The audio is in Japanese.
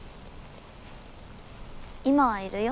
今はいるよ。